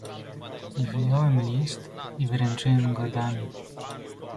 "Wyjąłem list i wręczyłem go damie."